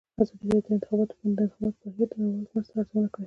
ازادي راډیو د د انتخاباتو بهیر په اړه د نړیوالو مرستو ارزونه کړې.